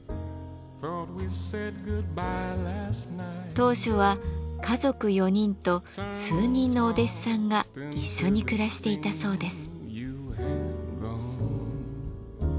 当初は家族４人と数人のお弟子さんが一緒に暮らしていたそうです。